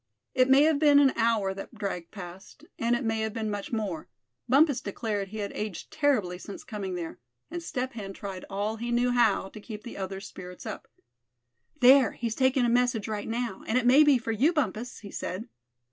It may have been an hour that dragged past, and it may have been much more, Bumpus declared he had aged terribly since coming there; and Step Hen tried all he knew how, to keep the other's spirits up. "There, he's taking a message right now, and it may be for you, Bumpus!" he said.